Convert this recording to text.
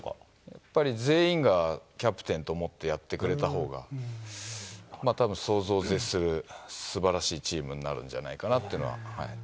やっぱり全員がキャプテンと思ってやってくれたほうが、たぶん、想像を絶するすばらしいチームになるんじゃないかなって